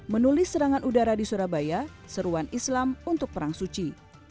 menulis serangan udara di surabaya seruan islam untuk perang suci